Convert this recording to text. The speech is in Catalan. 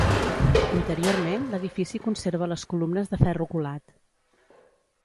Interiorment l'edifici conserva les columnes de ferro colat.